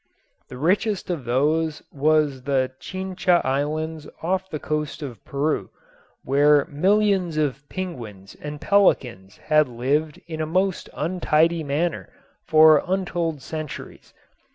The richest of these was the Chincha Islands off the coast of Peru, where millions of penguins and pelicans had lived in a most untidy manner for untold centuries.